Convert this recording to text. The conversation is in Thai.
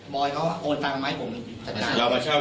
บอยเขาโอนตังใหม่แต่ผม